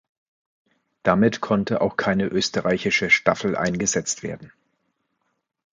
Damit konnte auch keine österreichische Staffel eingesetzt werden.